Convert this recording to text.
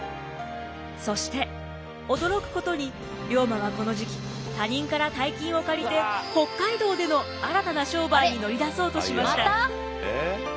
そして驚くことに龍馬はこの時期他人から大金を借りて北海道での新たな商売に乗り出そうとしました。